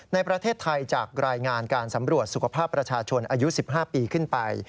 ในประเทศไทยจากรายงานการสำรวจสุขภาพประชาชนอายุ๑๕ปีขึ้นไป